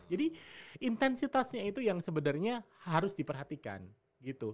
jadi intensitasnya itu yang sebenernya harus diperhatikan gitu